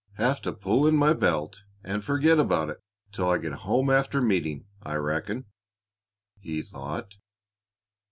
"Have to pull in my belt and forget about it till I get home after meeting, I reckon," he thought.